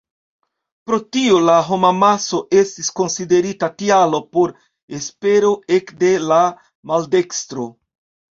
Pro tio la homamaso estis konsiderita tialo por espero ekde la maldekstro.